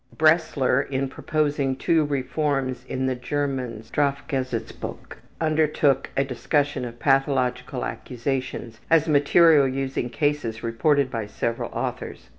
Bresler in proposing two reforms in the German ``Strafgesetzbuch'' undertook a discussion of pathological accusations, as material using cases reported by several authors.